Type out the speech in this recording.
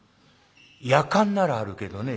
やかんならあるけどね」。